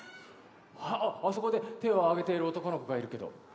あっあそこで手を挙げている男の子がいるけど。